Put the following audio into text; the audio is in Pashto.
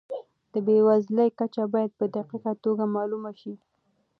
د بېوزلۍ کچه باید په دقیقه توګه معلومه سي.